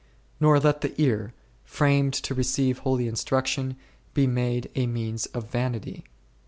Nor let the ear, framed to receive holy instruction, be made a means of vanity.